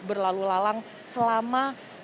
berlalu lalang selama